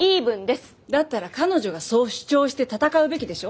だったら彼女がそう主張して戦うべきでしょ？